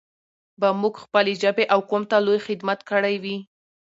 به موږ خپلې ژبې او قوم ته لوى خدمت کړى وي.